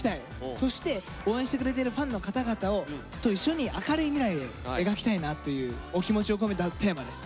そして応援してくれてるファンの方々と一緒に明るい未来描きたいなというお気持ちを込めたテーマです。